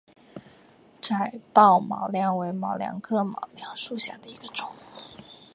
窄瓣毛茛为毛茛科毛茛属下的一个种。